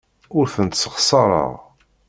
Ur tent-ssexṣareɣ.